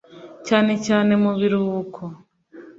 cyane cyane mu biruhuko